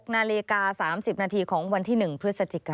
๑๖น๓๐นของวันที่๑พฤศจิกายน